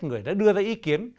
người đã đưa ra ý kiến